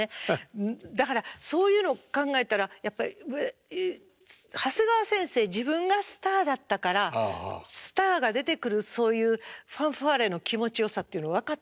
だからそういうのを考えたらやっぱり長谷川先生自分がスターだったからスターが出てくるそういうファンファーレの気持ちよさっていうの分かってて宝塚にも。